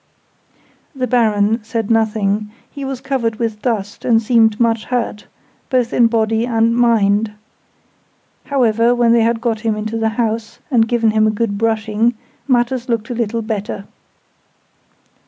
The Baron said nothing: he was covered with dust, and seemed much hurt, both in body and mind. However, when they had got him into the house, and given him a good brushing, matters looked a little better.